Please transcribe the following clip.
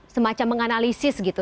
semacam menganalisis gitu